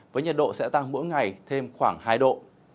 với nhiệt độ sẽ tăng mỗi ngày thêm khoảng hai độ